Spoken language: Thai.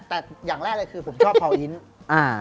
แต่อย่างแรกเลยคือผมชอบพออินทร์